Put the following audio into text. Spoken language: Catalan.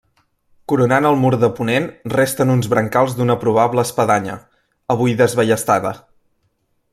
Coronant el mur de ponent resten uns brancals d'una probable espadanya, avui desballestada.